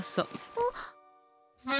あっ。